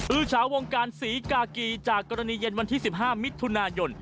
ื้อเฉาวงการศรีกากีจากกรณีเย็นวันที่๑๕มิถุนายน